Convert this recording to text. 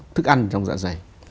thức ăn trong dạ dày